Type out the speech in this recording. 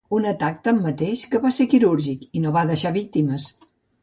Un atac, tanmateix, que va ser quirúrgic i no va deixar víctimes.